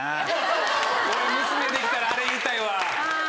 俺娘できたらあれ言いたいわ。